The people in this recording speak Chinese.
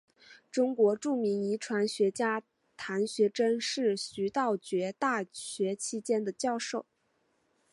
中国著名遗传学家谈家桢是徐道觉大学期间的教授。